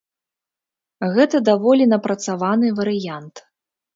Гэта даволі напрацаваны варыянт.